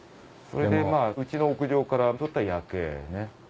それでまあうちの屋上から撮った夜景ね。